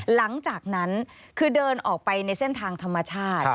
หลังจากนั้นคือเดินออกไปในเส้นทางธรรมชาติ